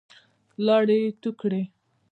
لاړې يې تو کړې.